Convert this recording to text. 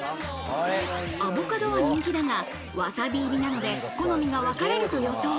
アボカドは人気だが、わさび入りなので、好みが分かれると予想。